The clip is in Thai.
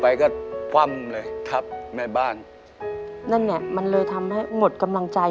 ไปก็คว่ำเลยทับแม่บ้านนั่นไงมันเลยทำให้หมดกำลังใจ